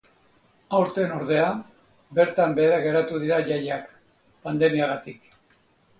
Aurten, ordea, bertan behera geratu dira jaiak, pandemiagatik.